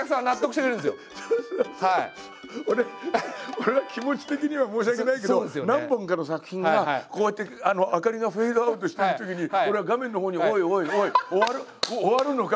俺気持ち的には申し訳ないけど何本かの作品がこうやって明かりがフェードアウトしていくときに俺は画面のほうに「おいおいおい！終わる？終わるのか？